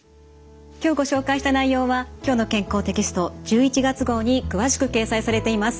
今日ご紹介した内容は「きょうの健康」テキスト１１月号に詳しく掲載されています。